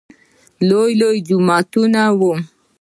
لوى لوى جوماتونه وو.